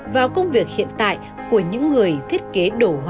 vào công việc hiện tại của những người thiết kế